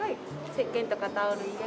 せっけんとかタオル入れて。